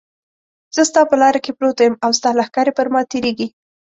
زه ستا په لاره کې پروت یم او ستا لښکرې پر ما تېرېږي.